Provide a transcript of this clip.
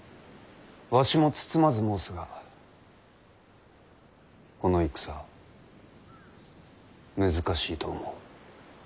わしも包まず申すがこの戦難しいと思う。